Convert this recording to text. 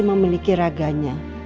saya memiliki raganya